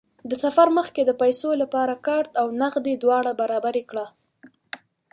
د سفر مخکې د پیسو لپاره کارت او نغدې دواړه برابرې کړه.